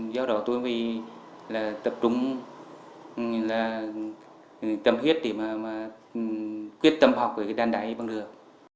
do đó tôi mới là tập trung là tâm huyết để mà quyết tâm học ở cái đàn đáy bằng đường